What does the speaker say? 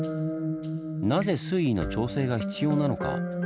なぜ水位の調整が必要なのか？